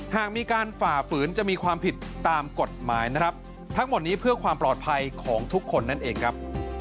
หากมีการฝ่าฝืนจะมีความผิดตามกฎหมายนะครับทั้งหมดนี้เพื่อความปลอดภัยของทุกคนนั่นเองครับ